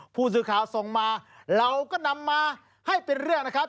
ผู้สื่อข่าวส่งมาเราก็นำมาให้เป็นเรื่องนะครับ